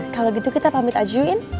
kalau gitu kita pamit aja yuk in